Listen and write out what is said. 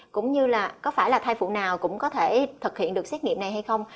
cũng như là có phải là thai phụ nào cũng có thể thực hiện được xét nghiệm này hay không